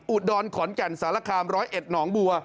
อุดดอนขอนแก่นสารคามร้อยเอ็ดหนองบัว